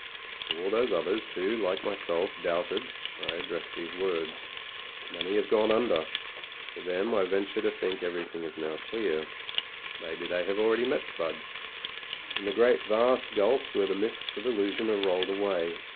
To all those others, who, like myself, doubted, I address these words. Many have gone under: to them I venture to think everything is now clear. May SPUD TREVOR OF THE RED HUSSARS T9 be they have already met Spud, in the great vast gtilf s where the mists of illusion are rolled away.